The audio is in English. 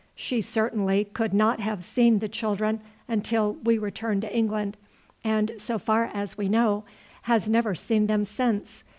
She certainly could not have seen the children until we returned to England, and, so far as we know, has never seen them since.